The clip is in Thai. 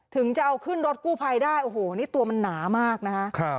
ถึงจะเอาขึ้นรถกู้ภัยได้โอ้โหนี่ตัวมันหนามากนะฮะ